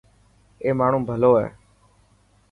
اي ماڻهو ڀلو هي.